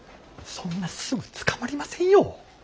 そんなすぐつかまりませんよ。